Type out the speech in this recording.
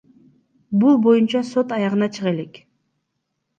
Бул боюнча сот аягына чыга элек.